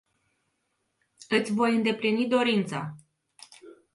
Iti voi indeplini dorinta.